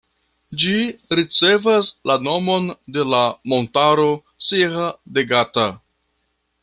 Ĝi ricevas la nomon de la montaro Sierra de Gata.